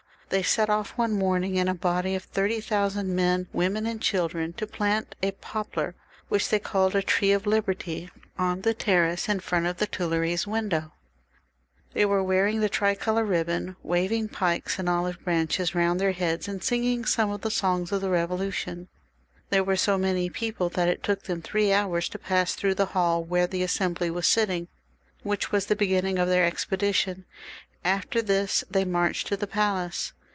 They set off one morning in a body of thirty thousand men, women, and children, to plant a XLViii.] THE REVOLUTION, 39» poplar which they called a taree of liberty on the terrace in front of the Tuileries windows. They were wearing the tricolor riband, waving pikes and olive branches round their heads, and singing some of the songs of the Eevolu tion. There were so many people that it took them three hours to pass through the hall where the Assembly was sitting, which was the beginning of their expedition. After this they marched to the palace.